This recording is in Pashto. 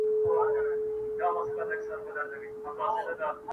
په زرګونو یې تر خاورو کړله لاندي٫